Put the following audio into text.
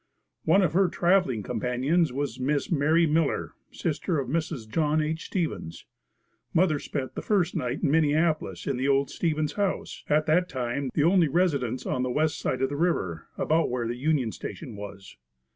One of her traveling companions was Miss Mary Miller, sister of Mrs. John H. Stevens. Mother spent the first night in Minneapolis in the old Stevens house, at that time the only residence on the west side of the river, about where the Union Station was.